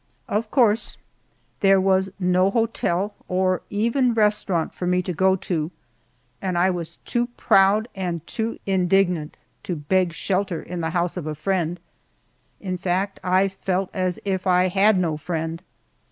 Of course there was no hotel or even restaurant for me to go to, and I was too proud and too indignant to beg shelter in the house of a friend in fact, I felt as if I had no friend.